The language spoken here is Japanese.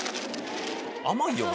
甘いよな？